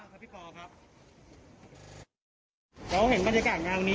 ครับพี่ปอล์ครับเขาเห็นบรรยากาศงานวันนี้